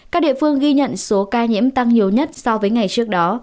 các địa phương ghi nhận số ca nhiễm tăng nhiều nhất so với ngày trước đó